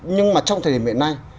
nhưng mà trong thời điểm hiện nay